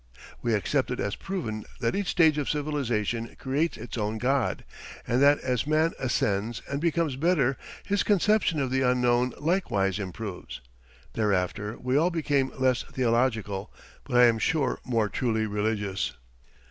We accepted as proven that each stage of civilization creates its own God, and that as man ascends and becomes better his conception of the Unknown likewise improves. Thereafter we all became less theological, but I am sure more truly religious.